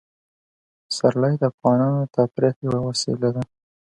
پسرلی د افغانانو د تفریح یوه وسیله ده.